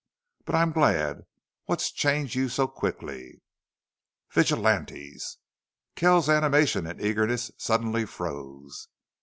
But I'm glad.... What's changed you so quickly?" "VIGILANTES!" Kells's animation and eagerness suddenly froze.